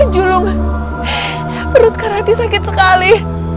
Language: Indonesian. julung perut kak rati sakit sekali